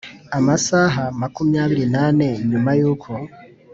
amasaha makumyabiri n ane nyuma y uko